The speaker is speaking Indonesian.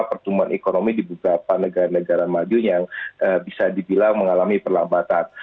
pertumbuhan ekonomi di beberapa negara negara maju yang bisa dibilang mengalami perlambatan